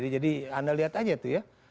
jadi anda lihat saja itu ya